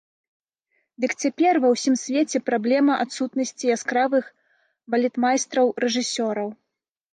Дык цяпер ва ўсім свеце праблема адсутнасці яскравых балетмайстраў-рэжысёраў.